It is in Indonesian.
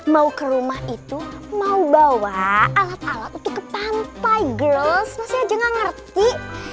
mau ke rumah itu mau bawa alat alat untuk ke pantai geross masih aja gak ngerti